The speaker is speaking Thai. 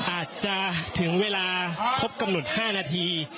อาจจะถึงเวลาครบกำหนด๕นาที